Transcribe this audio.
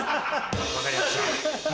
分かりました。